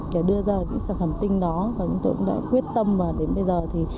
để đưa ra những sản phẩm tinh đó và chúng tôi cũng đã quyết tâm và đến bây giờ thì